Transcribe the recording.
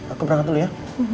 aku berangkat dulu ya